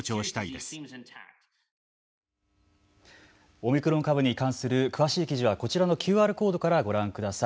オミクロン株に関する詳しい記事はこちらのＱＲコードからご覧ください。